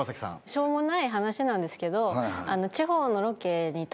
しょうもない話なんですけど。